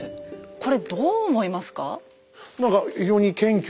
これどう思いますか？